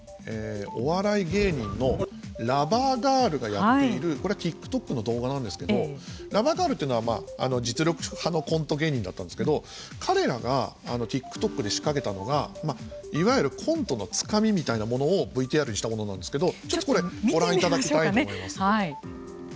お笑い芸人のラバーガールがやっているこれはＴｉｋＴｏｋの動画なんですけどラバーガールというのは実力派のコント芸人だったんですけど彼らがＴｉｋＴｏｋで仕掛けたのがいわゆるコントのつかみみたいなものをＶＴＲにしたものなんですけど。